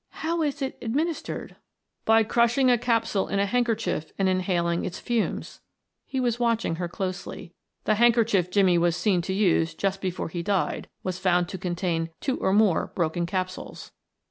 "How is it administered?" "By crushing a capsule in a handkerchief and inhaling its fumes" he was watching her closely. "The handkerchief Jimmie was seen to use just before he died was found to contain two or more broken capsules."